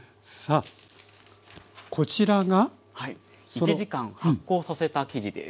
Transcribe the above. １時間発酵させた生地です。